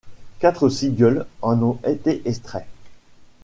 Quatre singles en ont été extraits.